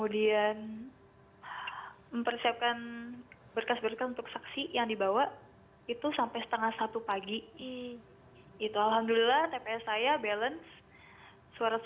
di tps ku terdapat berapa anggota kpps